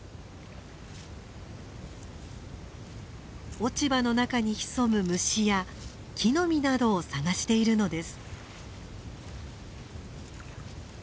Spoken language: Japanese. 落ち葉の中に潜む虫や木の実などを探しているのです。